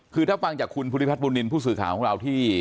คือถ้าฟังจากคุณภูริพัฒนบุญนินทร์ผู้สื่อข่าวของเราที่